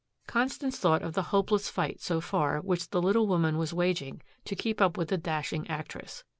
Constance thought of the hopeless fight so far which the little woman was waging to keep up with the dashing actress.